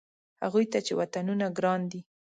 هغوی ته چې وطنونه ګران دي.